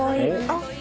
あっ。